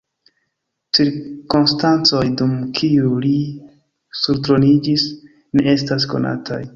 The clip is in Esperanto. Cirkonstancoj, dum kiuj li surtroniĝis, ne estas konataj.